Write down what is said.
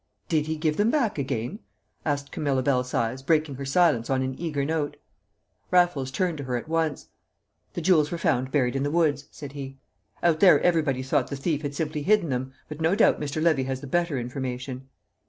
"Did he give them back again?" asked Camilla Belsize, breaking her silence on an eager note. Raffles turned to her at once. "The jewels were found buried in the woods," said he. "Out there everybody thought the thief had simply hidden them. But no doubt Mr. Levy has the better information."